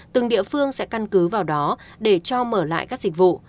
từng địa phương sẽ căn cứ vào đó để cho mở lại các dịch vụ